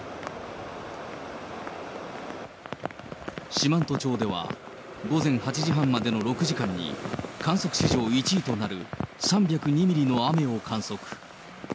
四万十町では午前８時半までの６時間に、観測史上１位となる３０２ミリの雨を観測。